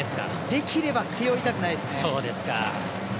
できれば背負いたくないですね。